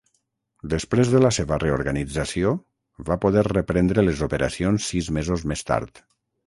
Després de la seva reorganització, va poder reprendre les operacions sis mesos més tard.